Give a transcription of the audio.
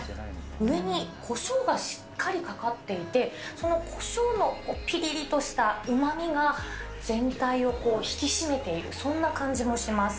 上にコショウがしっかりかかっていて、そのコショウのぴりりとしたうまみが、全体をこう、引き締めている、そんな感じもします。